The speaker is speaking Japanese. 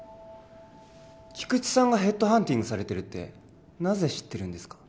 菊池さんがヘッドハンティングされてるってなぜ知ってるんですか？